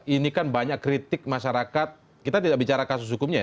ini kan banyak kritik masyarakat kita tidak bicara kasus hukumnya ya